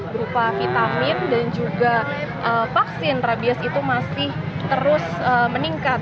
berupa vitamin dan juga vaksin rabies itu masih terus meningkat